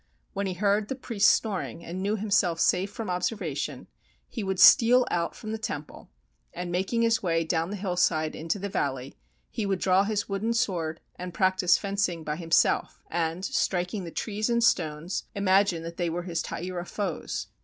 When he heard the priests snoring, and knew himself safe from observation, he would steal out from the temple, and, making his way down the hillside into the valley, he would draw his wooden sword and practice fencing by himself, and, striking the trees and the stones, imagine 306 THE STORY OF YOSHITSUNE that they were his Taira foes.